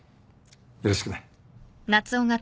よろしくね。